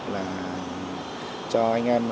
là cho anh em